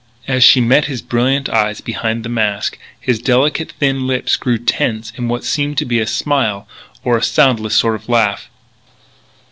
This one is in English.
As she met his brilliant eyes behind the mask, his delicate, thin lips grew tense in what seemed to be a smile or a soundless sort of laugh.